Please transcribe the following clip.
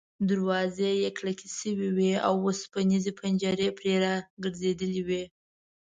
دروازې یې کلکې شوې وې او اوسپنیزې پنجرې پرې را ګرځېدلې وې.